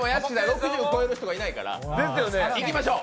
６０超える人がいないからいきましょう。